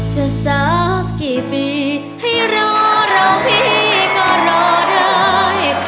สักกี่ปีให้รอรอพี่ก็รอได้